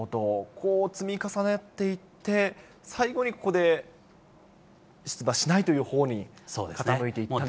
こう積み重なっていって、最後にここで、出馬しないというほうに傾いていったと。